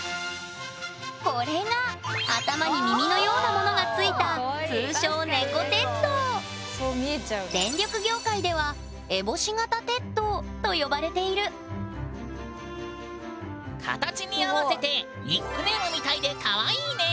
これが頭に耳のようなものがついた電力業界では「烏帽子形鉄塔」と呼ばれている形に合わせてニックネームみたいでかわいいね！